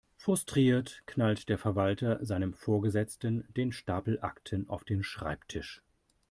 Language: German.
Frustriert knallt der Verwalter seinem Vorgesetzten den Stapel Akten auf den Schreibtisch.